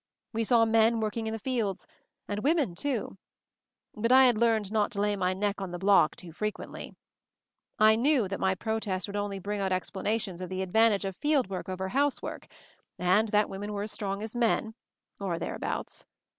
We saw men working in the fields — and women, too ; but I had learned not to lay my neck on the block too frequently. I knew that my pro test would only bring out explanations of the advantage of field work over house work — and that women were as strong as men — or thereabouts.